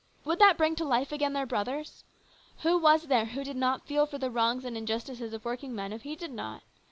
Would that bring to life again their brothers? Who was there who did not feel for the wrongs and injustices of the working men if he did not?